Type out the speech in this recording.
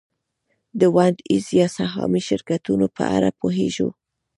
د ونډه ایز یا سهامي شرکتونو په اړه پوهېږو